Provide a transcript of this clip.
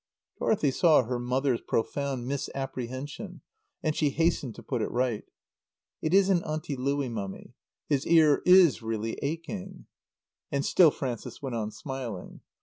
Dorothy saw her mother's profound misapprehension and she hastened to put it right. "It isn't Auntie Louie, Mummy. His ear is really aching." And still Frances went on smiling.